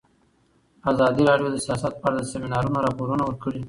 ازادي راډیو د سیاست په اړه د سیمینارونو راپورونه ورکړي.